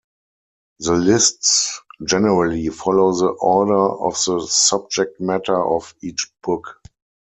The lists generally follow the order of the subject matter of each book.